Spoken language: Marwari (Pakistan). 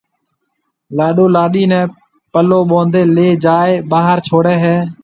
لاڏو لاڏِي نيَ پلو ٻونڌيَ ليَ جائيَ ٻاھر ڇوڙھيََََ ھيََََ